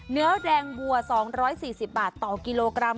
เนื้อแดงวัว๒๔๐บาทต่อกิโลกรัม